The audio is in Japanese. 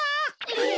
え！